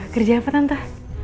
kerja apa tante